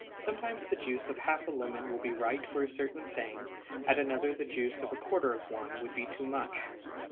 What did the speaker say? Sometimes the juice of half a lemon will be right for a certain thing, at another the juice of a quarter of one would be too much.